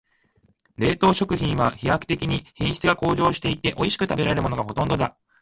冷凍食品は飛躍的に品質が向上していて、おいしく食べられるものがほとんどだ。